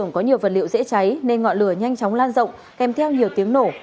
có nhiều vật liệu dễ cháy nên ngọn lửa nhanh chóng lan rộng kèm theo nhiều tiếng nổ